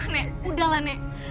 nek udahlah nek